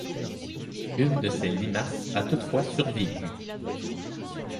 Une de ses limaces a toutefois survécu.